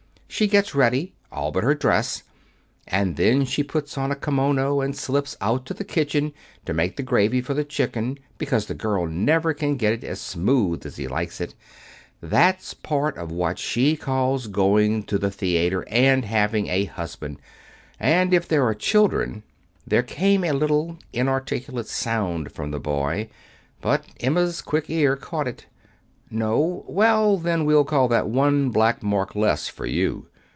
She gets ready, all but her dress, and then she puts on a kimono and slips out to the kitchen to make the gravy for the chicken because the girl never can get it as smooth as he likes it. That's part of what she calls going to the theater, and having a husband. And if there are children " There came a little, inarticulate sound from the boy. But Emma's quick ear caught it. "No? Well, then, we'll call that one black mark less for you.